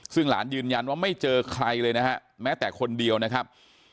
ซึ่งหลานยืนยันว่าไม่เจอใครเลยนะฮะแม้แต่คนเดียวนะครับ